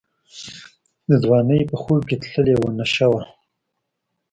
د ځوانۍ په خوب کي تللې وه نشه وه